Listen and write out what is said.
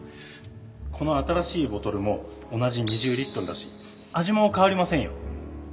この新しいボトルも同じ２０だし味もかわりませんよ。